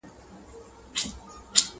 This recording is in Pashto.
نه مو سر نه مو مالونه په امان وي!.